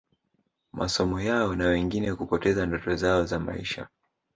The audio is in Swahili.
masomo yao na wengine kupoteza ndoto zao za maisha